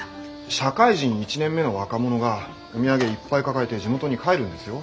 社会人１年目の若者がお土産いっぱい抱えて地元に帰るんですよ？